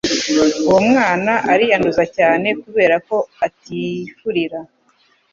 uwo mwana ariyanduza cyane kuberako atifurira